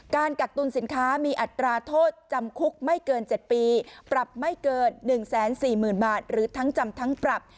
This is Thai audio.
กักตุลสินค้ามีอัตราโทษจำคุกไม่เกิน๗ปีปรับไม่เกิน๑๔๐๐๐บาทหรือทั้งจำทั้งปรับ